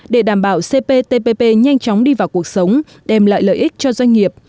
để đảm bảo cptpp nhanh chóng đi vào cuộc sống đem lại lợi ích cho doanh nghiệp